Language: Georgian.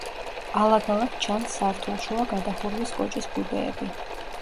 ალაგ-ალაგ ჩანს სართულშუა გადახურვის კოჭის ბუდეები.